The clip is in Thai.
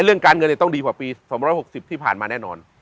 เรื่องการเงินต้องดีกว่าปี๒๖๐ที่ผ่านมาแน่นอน